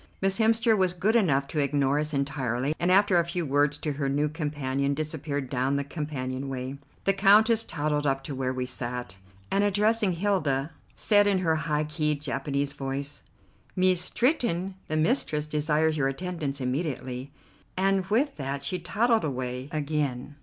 Miss Hemster was good enough to ignore us entirely, and, after a few words to her new companion, disappeared down the companion way. The Countess toddled up to where we sat, and, addressing Hilda, said in her high keyed Japanese voice: "Mees Stretton, the mistress desires your attendance immediately," and with that she toddled away again.